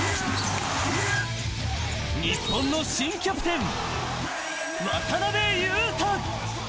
日本の新キャプテン・渡邊雄太。